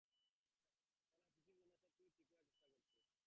তারা শিশুর জন্য সবকিছু ঠিক করার চেষ্টা করছে।